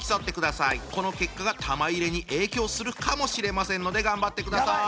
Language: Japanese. この結果が玉入れに影響するかもしれませんので頑張ってください。